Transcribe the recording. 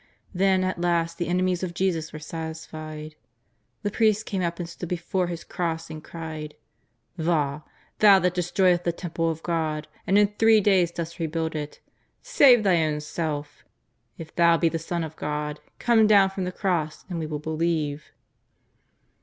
Then at last the enemies of Jesus were satisfied. The priests came up and stood before His cross and cried :" Vah ! Thou that destroyest the Temple of God and in three days dost rebuild it, save Thy ownself. If Thou be the Son of God, come down from the cross and we vnll believe."